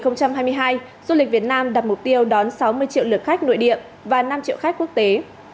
năm hai nghìn hai mươi hai du lịch việt nam đặt mục tiêu đón sáu mươi triệu lượt khách nội địa và năm triệu khách quốc tế